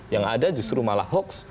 yang ada justru malah hoax